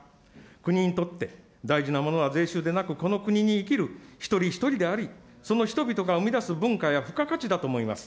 国にとって、大事なものは税収でなく、この国に生きる一人一人であり、その人々が生み出す文化や付加価値だと思います。